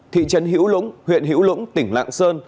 thị trấn hữu lũng huyện hữu lũng tỉnh lạng sơn